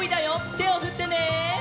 てをふってね！